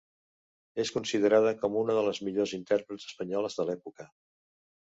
És considerada com una de les millors intèrprets espanyoles de l'època.